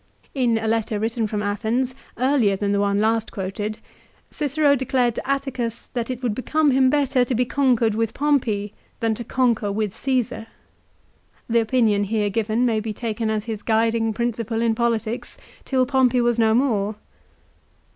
In a letter written from Athens, earlier than the one last quoted, Cicero declared to Atticus that it would become him better to be conquered with Pompey than to conquer with Caesar. 1 The opinion here given may be taken as his guiding principle in politics till Pompey was no more.